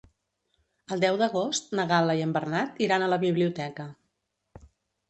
El deu d'agost na Gal·la i en Bernat iran a la biblioteca.